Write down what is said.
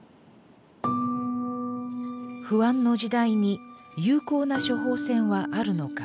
不安の時代に有効な処方箋はあるのか。